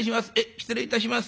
失礼いたします。